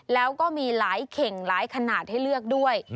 แล้วก็มีหลายเข่งหลายขนาดให้เลือกด้วย